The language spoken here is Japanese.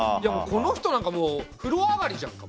この人なんかもうふろ上がりじゃんか。